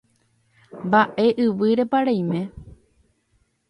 mba'e yvýrepa reime